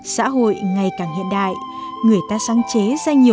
xã hội ngày càng hiện đại người ta sáng chế danh nhạc